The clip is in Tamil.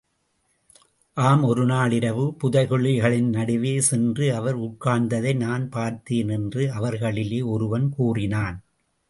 ஆம் ஒருநாள் இரவு, புதைகுழிகளின் நடுவே சென்று அவர் உட்கார்ந்ததை நான் பார்த்தேன் என்று அவர்களிலே ஒருவன் கூறினான்.